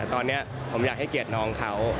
ตอนนี้ผมอยากให้เกียรติน้องเขา